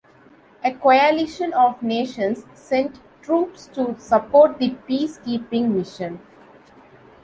A coalition of nations sent troops to support the peace keeping mission.